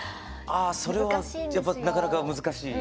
あそれはやっぱなかなか難しい。